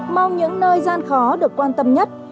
mong những nơi gian khó được quan tâm nhất